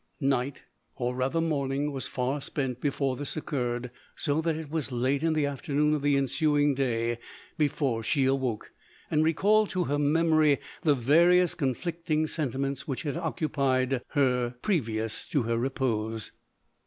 Night, or rather morning, was far spent before this occurred, so that it was late in the after noon of the ensuing <Jay before she awoke, and recalled to hef memory the various con flicting sentiments which had occupied her pre vious to her repose.